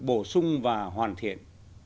bổ sung và hoàn thiện